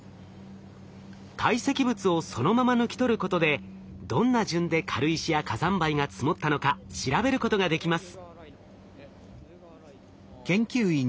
堆積物をそのまま抜き取ることでどんな順で軽石や火山灰が積もったのか調べることができます。